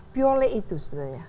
piole itu sebetulnya